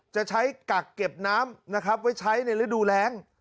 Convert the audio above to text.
จะใช้กักเก็บน้ำนะครับไว้ใช้ในฤดูแรง